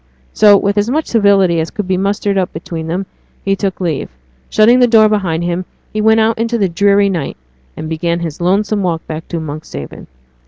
So, with as much civility as could be mustered up between them, he took leave. Shutting the door behind him, he went out into the dreary night, and began his lonesome walk back to Monkshaven.